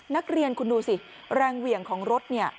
นักเรียนคุณดูสิแรงเหวี่ยงของรถเนี่ย